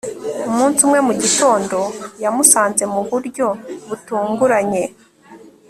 umunsi umwe mu gitondo, yamusanze mu buryo butunguranye